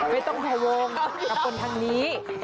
ไม่ต้องแพวงกับคนทางนี้